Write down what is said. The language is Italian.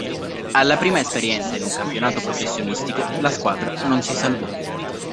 Alla prima esperienza in un campionato professionistico la squadra non si salvò.